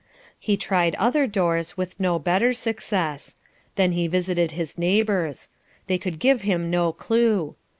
He tried other doors with no better success; then he visited his neighbours. They could give him no clue.